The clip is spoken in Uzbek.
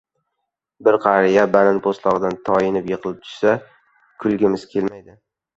Bir qariya banan po‘stlog‘iga toyinib, yiqilib tushsa, kulgimiz kelmaydi.